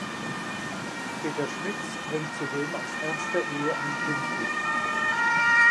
Peter Schmitz bringt zudem aus erster Ehe ein Kind mit.